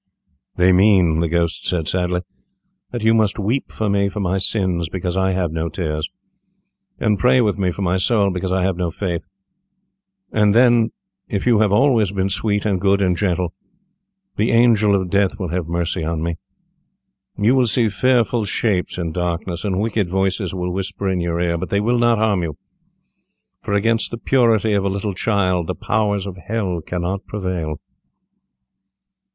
"They mean," he said, sadly, "that you must weep with me for my sins, because I have no tears, and pray with me for my soul, because I have no faith, and then, if you have always been sweet, and good, and gentle, the angel of death will have mercy on me. You will see fearful shapes in darkness, and wicked voices will whisper in your ear, but they will not harm you, for against the purity of a little child the powers of Hell cannot prevail."